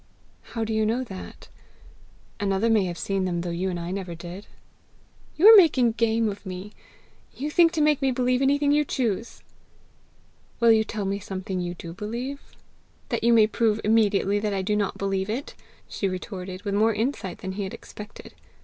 "How do you know that? Another may have seen them though you and I never did!" "You are making game of me! You think to make me believe anything you choose!" "Will you tell me something you do believe?" "That you may prove immediately that I do not believe it!" she retorted, with more insight than he had expected.